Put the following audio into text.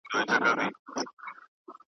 د زړه زخمونه مي د اوښکو له ګرېوانه نه ځي .